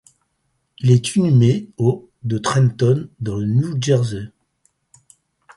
Il est inhumé au de Trenton, dans le New Jersey.